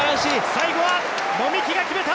最後は籾木が決めた！